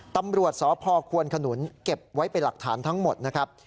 ตำรวจสพควนขนุนเก็บไว้เป็นหลักฐานทั้งหมดนะครับ